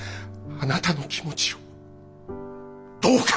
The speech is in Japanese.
あなたの気持ちをどうか！